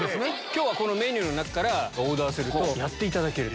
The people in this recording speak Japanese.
今日はこのメニューの中からオーダーするとやっていただける。